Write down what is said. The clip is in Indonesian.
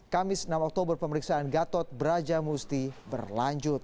kamis enam oktober pemeriksaan gatot brajamusti berlanjut